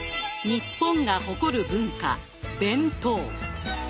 日本が誇る文化弁当。